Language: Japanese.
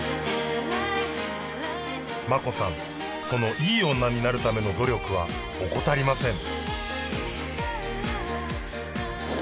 真子さんそのいい女になるための努力は怠りません